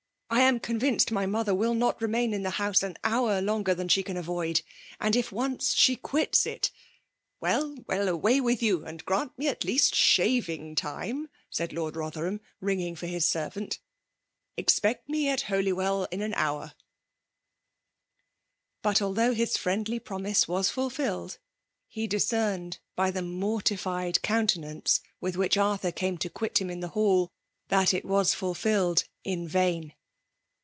I am convinced my mother wiQ not remain in it €t FlsMALK DOMIKATION. 200 tike hotise an hour longer than she can avoid; and if once she quita it it i*» m > €t Well — well I Away with you^ and grant me at least sliaring'time/* said Lord Bother bam, ringing for his servant. '* Expeet me at Holywell in an hour/' But, although his friendly promise was fut filled, he discerned hy the mortified counte nance with which Arthur came to quit . him in th« hall, that it was fulfilled in vain.